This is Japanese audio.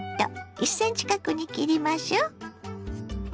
１ｃｍ角に切りましょ。